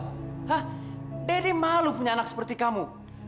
pernahpun malu punya anak yang seperti kamu